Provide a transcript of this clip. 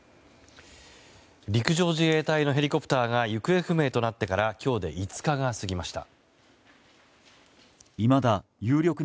陸上自衛隊のヘリコプターが行方不明となってから今日で５日が過ぎました。